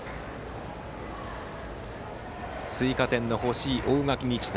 追加点の欲しい大垣日大。